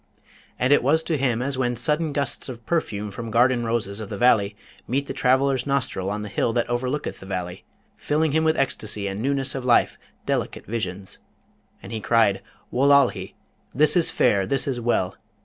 And it was to him as when sudden gusts of perfume from garden roses of the valley meet the traveller's nostril on the hill that overlooketh the valley, filling him with ecstasy and newness of life, delicate visions. And he cried, 'Wullahy! this is fair; this is well!